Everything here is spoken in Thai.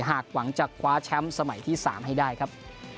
หากหวังจะคว้าแชมป์สมัยที่๓ให้ได้ครับ